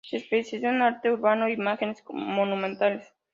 Se especializó en arte urbano e imágenes monumentales.